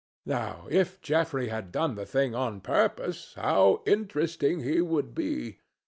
Now if Geoffrey had done the thing on purpose, how interesting he would be!